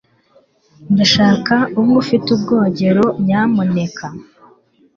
Ndashaka umwe ufite ubwogero, nyamuneka.